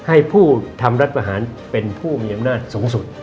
ให้ผู้ทำรัฐประหารเป็นผู้มีอำนาจสูงสุด